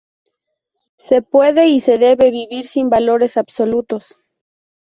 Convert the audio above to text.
Se puede, y se debe, vivir sin valores absolutos.